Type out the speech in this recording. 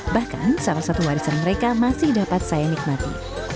bahkan salah satu warisan mereka masih dapat saya nikmati